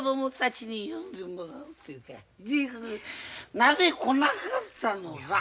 なぜ来なかったのか。